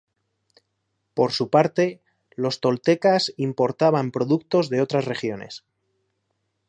Por su parte, los toltecas importaban productos de otras regiones.